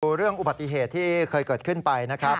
เรื่องอุบัติเหตุที่เคยเกิดขึ้นไปนะครับ